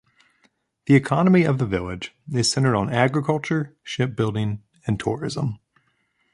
The economy of the village is centered on agriculture, ship building, and tourism.